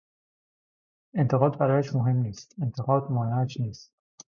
انتقاد برایش مهم نیست، انتقاد مانعش نیست.